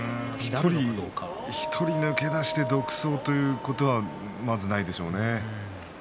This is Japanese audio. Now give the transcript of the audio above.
１人抜け出して独走ということはまずないでしょうね。